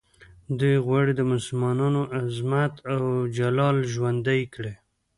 دوی غواړي د مسلمانانو عظمت او جلال ژوندی کړي.